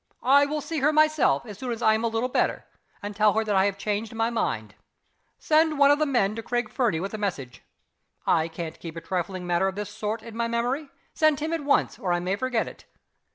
I will see her myself, as soon as I am a little better, and tell her that I have changed my mind. Send one of the men to Craig Fernie with a message. I can't keep a trifling matter of this sort in my memory send him at once, or I may forget it.